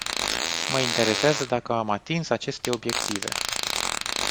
Mă interesează dacă am atins aceste obiective.